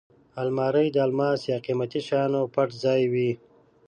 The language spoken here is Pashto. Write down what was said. الماري د الماس یا قېمتي شیانو پټ ځای وي